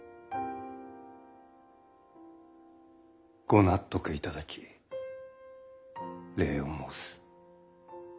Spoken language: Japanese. ご納得いただき礼を申す。